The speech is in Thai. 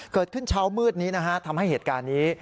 เกิดขึ้นเช้ามืดนี้นะฮะทำให้เหตุการณ์นี้